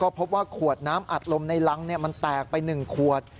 พบว่าขวดน้ำอัดลมในรังมันแตกไป๑ขวด